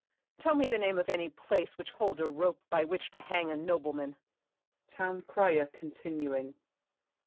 Tell me the name of any place which holds A rope by which to hang a nobleman! TOWN CRIER (continuing).